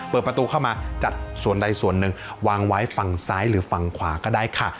เปิดประตูเข้ามาจัดส่วนใดส่วนหนึ่งวางไว้ฝั่งซ้ายหรือฝั่งขวาก็ได้ค่ะ